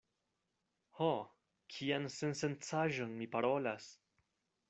Ho, kian sensencaĵon mi parolas!